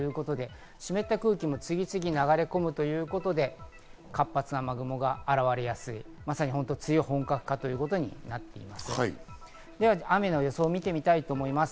湿った空気も次々流れ込むということで、活発な雨雲が現れやすい、梅雨本格化ということになっています。